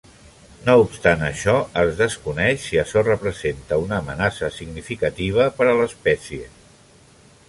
No obstant això, es desconeix si açò representa una amenaça significativa per a l'espècie.